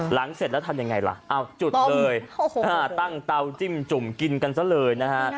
เสร็จแล้วทำยังไงล่ะจุดเลยตั้งเตาจิ้มจุ่มกินกันซะเลยนะฮะ